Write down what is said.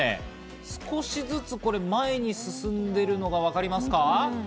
少しずつ前に進んでいるのがわかりますか？